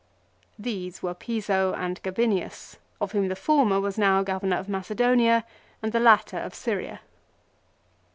These were Piso and Gabinius of whom the former was now governor of Macedonia and the latter of Syria.